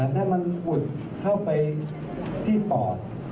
ถ้ามันอุดเข้าไปที่ปอด